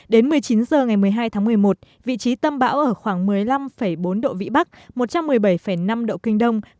đến một mươi chín h ngày một mươi hai tháng một mươi một vị trí tâm bão ở khoảng một mươi năm bốn độ vĩ bắc một trăm một mươi bảy năm độ kinh đông